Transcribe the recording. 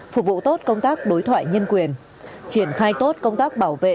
phục vụ tốt công tác đối thoại nhân quyền triển khai tốt công tác bảo vệ